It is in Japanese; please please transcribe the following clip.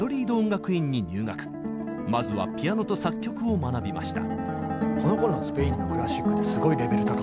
まずはピアノと作曲を学びました。